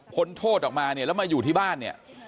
คนโทษออกมาแล้วมาอยู่ที่บ้าน